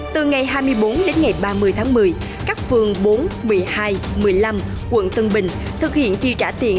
từ ngày hai mươi bốn đến ngày ba mươi tháng một mươi các phường bốn một mươi hai một mươi năm quận tân bình thực hiện chi trả tiền